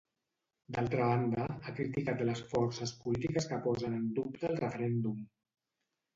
D'altra banda, ha criticat les forces polítiques que posen en dubte el referèndum.